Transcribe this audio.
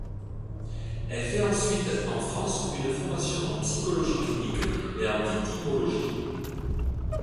Elle fait ensuite, en France, une formation en psychologie clinique et en victimologie.